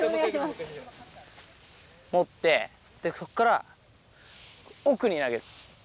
持って、で、そっから奥に投げる。